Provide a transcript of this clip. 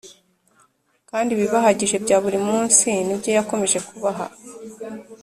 ; kandi ibibahagije bya buri munsi ni byo yakomeje kubaha